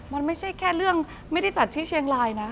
มันไม่ใช่แค่เรื่องไม่ได้จัดที่เชียงรายนะ